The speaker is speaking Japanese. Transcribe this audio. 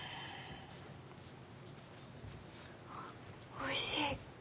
おいしい。